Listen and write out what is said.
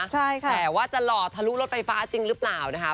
แต่ว่าจะหล่อทะลุรถไฟฟ้าจริงหรือเปล่านะคะ